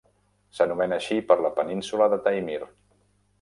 S'anomena així per la península de Taimir.